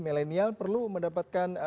millenial perlu mendapatkan